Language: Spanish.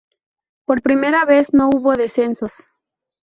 Por primera vez no hubo descensos.